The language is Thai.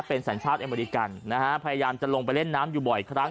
เป็นสัญชาติอเมริกันนะฮะพยายามจะลงไปเล่นน้ำอยู่บ่อยครั้ง